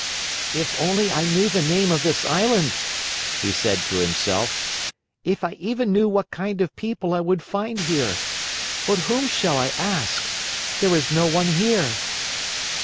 "If only I knew the name of this island!" he said to himself. "If I even knew what kind of people I would find here! But whom shall I ask? There is no one here."